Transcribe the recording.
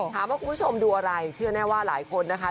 คุณผู้ชมดูอะไรเชื่อแน่ว่าหลายคนนะคะ